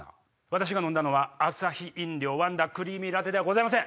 私が飲んだのはアサヒ飲料ワンダクリーミーラテではございません。